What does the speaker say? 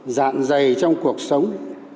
dạng dày trong cuộc sống